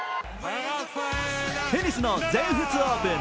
テニスの全仏オープン。